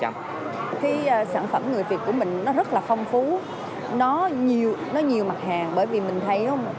mang các sản phẩm mới lạ